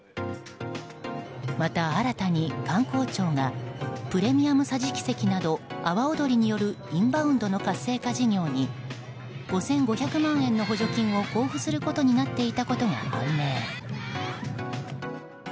また新たに観光庁がプレミアム桟敷席など阿波おどりによるインバウンドの活性化事業に５５０万円の補助金を交付することによしこい！